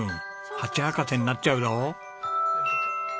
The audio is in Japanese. ハチ博士になっちゃうぞ！